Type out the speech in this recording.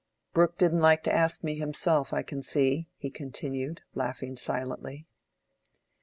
"Brooke didn't like to ask me himself, I can see," he continued, laughing silently.